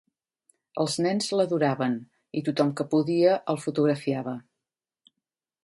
Els nens l'adoraven, i tothom que podia el fotografiava.